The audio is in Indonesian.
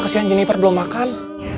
kesian jennifer belum makan